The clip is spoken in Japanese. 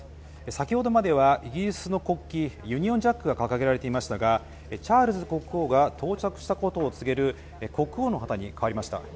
先ほどまではイギリスの国旗ユニオンジャックが掲げられていましたがチャールズ国王が到着したことを告げる国王の旗に変わりました。